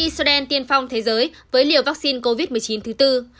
israel tiên phong thế giới với liều vaccine covid một mươi chín thứ tư